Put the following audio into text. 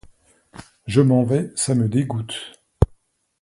Je m'en vais, ça me dégoûte.